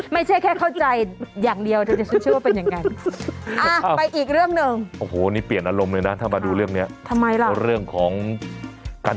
ไม่ใช่แค่เข้าใจอย่างเดียวเธอที่ฉันเชื่อว่าเป็นอย่างนั้น